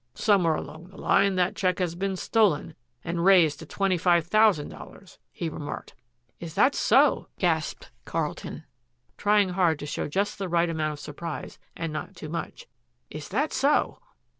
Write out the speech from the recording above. Somewhere along the line that check has been stolen and raised to twenty five thousand dollars," he remarked. "Is that so?" gasped Carlton, trying hard to show just the right amount of surprise and not too much. "Is that so?"